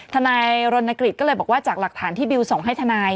ทนายรณกฤษก็เลยบอกว่าจากหลักฐานที่บิวส่งให้ทนาย